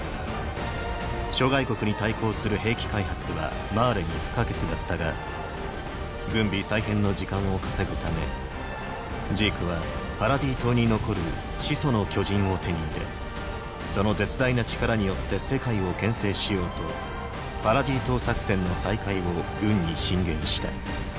諸外国に対抗する兵器開発はマーレに不可欠だったが軍備再編の時間を稼ぐためジークはパラディ島に残る「始祖の巨人」を手に入れその絶大な力によって世界を牽制しようとパラディ島作戦の再開を軍に進言した。